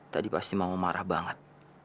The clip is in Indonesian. tadi pasti mau marah banget